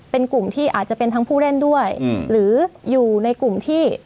เป็นกลุ่มที่อาจจะเป็นทั้งผู้เล่นด้วยหรืออยู่ในกลุ่มที่